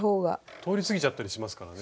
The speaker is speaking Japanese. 通り過ぎちゃったりしますからね。